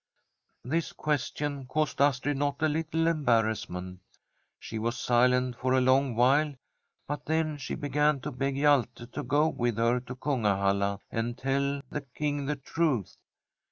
This question caused Astrid not a little embarrassment. She was silent for a long while, but then she began to beg Hjalte to go with her to Kungahalla and tell the King the truth.